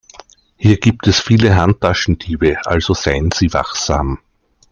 Hier gibt es viele Handtaschendiebe, also seien Sie wachsam.